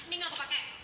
ini gak aku pake